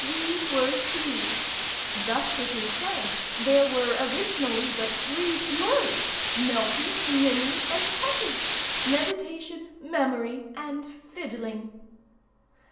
We were three. Thus it is said there were originally but three Furies—Melty, Nimmy, and Hetty—Meditation, Memory, and Fiddling.